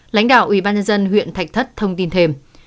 lãnh đạo ủy ban nhân dân huyện thạch thất thông tin thêm